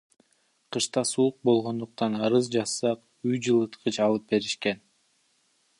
Кышта суук болгондуктан, арыз жазсак, үй жылыткыч алып беришкен.